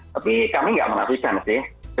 tapi kami nggak menafikan sih